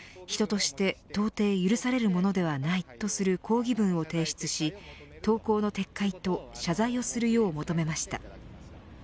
人として到底許されるものではないとする抗議文を提出し投稿の撤回と謝罪をするよう求めました。